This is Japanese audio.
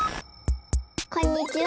こんにちは！